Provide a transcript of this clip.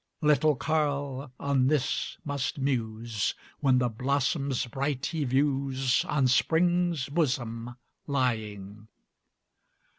Little Carl on this must muse When the blossoms bright he views On spring's bosom lying.